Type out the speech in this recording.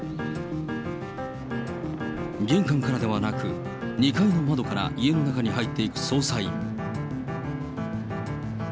玄関からではなく、２階の窓から家の中に入っていく捜査員。